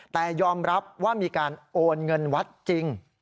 แต่ยอมรับว่ามีการโอนเงินวัดจริง